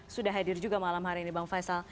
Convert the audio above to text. sudah hadir juga malam hari ini bang faisal